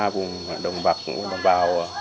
vùng đồng bạc vùng đồng bào